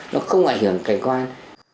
nó không ảnh hưởng cảnh quan